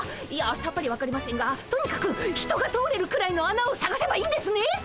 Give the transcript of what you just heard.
いやさっぱりわかりませんがとにかく人が通れるくらいのあなをさがせばいいんですね。